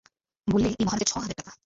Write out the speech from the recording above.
বললে, এই মহারাজের ছ হাজার টাকা।